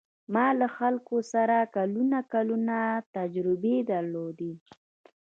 ما له خلکو سره کلونه کلونه تجربې درلودې.